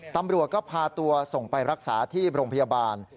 ตำรวจก็พาตัวส่งไปรักษาที่โรงพยาบาล